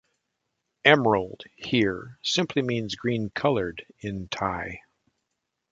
"Emerald" here simply means "green coloured" in Thai.